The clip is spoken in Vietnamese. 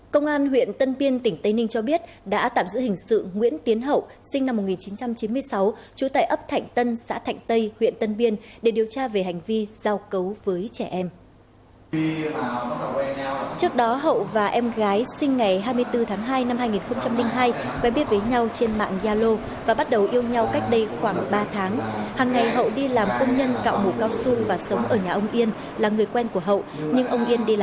các bạn hãy đăng ký kênh để ủng hộ kênh của chúng mình nhé